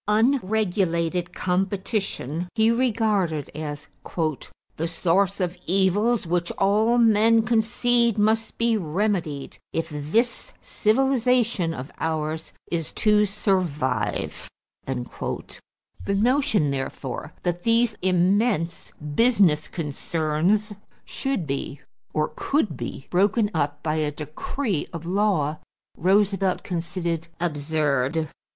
Unregulated competition he regarded as "the source of evils which all men concede must be remedied if this civilization of ours is to survive." The notion, therefore, that these immense business concerns should be or could be broken up by a decree of law, Roosevelt considered absurd.